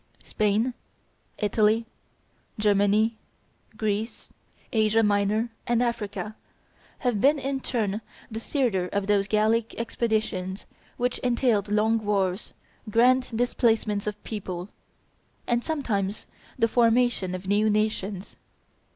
Spain, Italy, Germany, Greece, Asia Minor, and Africa have been in turn the theatre of those Gallic expeditions which entailed long wars, grand displacements of peoples, and sometimes the formation of new nations.